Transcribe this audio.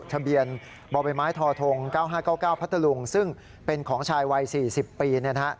ทะเบียนบมธ๙๕๙๙พัตตรุงซึ่งเป็นของชายวัย๔๐ปีเนี่ยฮะ